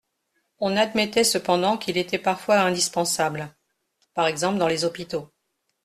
On admettait cependant qu’il était parfois indispensable, par exemple dans les hôpitaux.